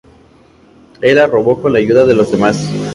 Él la robó con la ayuda de los demás.